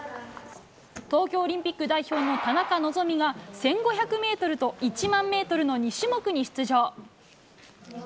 東京オリンピック代表の田中希実が、１５００メートルと１万メートルの２種目に出場。